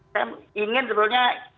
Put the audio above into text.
saya ingin sebetulnya